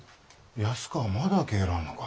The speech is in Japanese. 安子はまだ帰らんのか。